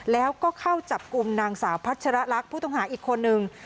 แล้วก็เข้าจับกลุ่มนางสาวพัชรลักษณ์ผู้ต้องหาอีกคนนึง